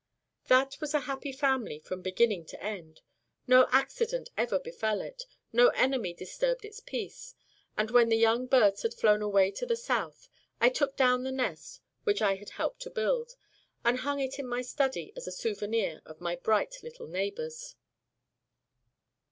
That was a happy family from beginning to end. No accident ever befell it; no enemy disturbed its peace. And when the young birds had flown away to the South, I took down the nest which I had helped to build, and hung it in my study as a souvenir of my bright little neighbors.